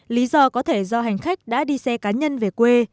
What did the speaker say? lý do có thể do hành khách đã đi xe cá nhân về quê